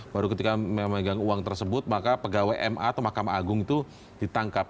baru ketika memegang uang tersebut maka pegawai ma atau mahkamah agung itu ditangkap